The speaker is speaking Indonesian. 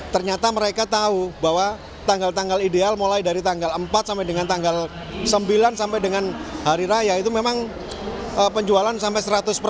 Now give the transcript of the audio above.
ternyata mereka tahu bahwa tanggal tanggal ideal mulai dari tanggal empat sampai dengan tanggal sembilan sampai dengan hari raya itu memang penjualan sampai seratus persen